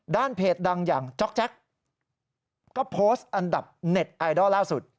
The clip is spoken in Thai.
เพจดังอย่างจ๊อกแจ็คก็โพสต์อันดับเน็ตไอดอลล่าสุด